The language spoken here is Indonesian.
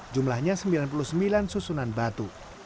jumlahnya sembilan puluh sembilan susunan batu